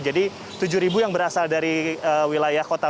tujuh yang berasal dari wilayah kota